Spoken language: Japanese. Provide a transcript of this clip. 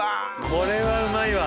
これはうまいわ。